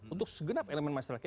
untuk segenap elemen masyarakat